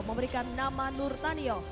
memberikan nama nur tanyo